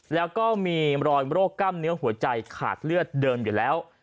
แล้วก็มีรอยโรคกล้ามเนื้อหัวใจขาดเลือดเดิมอยู่แล้ว